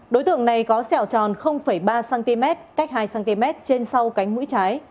đối tượng này có sẹo tròn ba cm cách hai cm trên sau cánh mũi trái